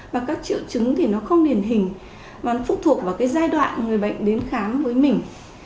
và các triệu chứng thì nó không điển hình và nó phục thuộc vào giai đoạn người bệnh đến khám với mình